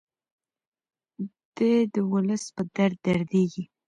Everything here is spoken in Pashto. دی د ولس په درد دردیږي.